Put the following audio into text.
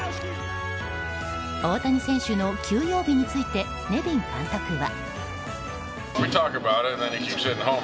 大谷選手の休養日についてネビン監督は。